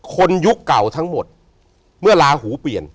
ยุคเก่าทั้งหมดเมื่อลาหูเปลี่ยน